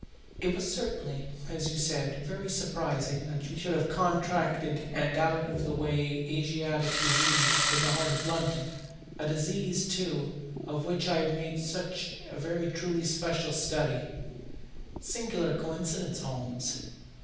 It was certainly, as you said, very surprising that he should have contracted an out of the way Asiatic disease in the heart of London a disease, too, of which I had made such a very special study. Singular coincidence, Holmes.